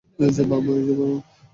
এই যে, বাবু।